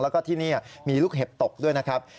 แล้วก็ที่นี่มีลูกเห็บตกด้วยนะครับ